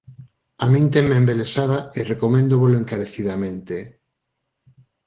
A min tenme embelesada e recoméndovolo encarecidamente.